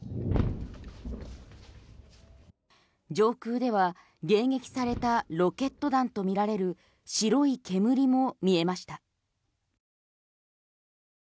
上空では迎撃されたロケット弾とみられる白い煙も見えました。